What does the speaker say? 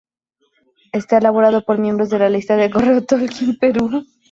Está elaborado por miembros de la lista de correo Tolkien Perú.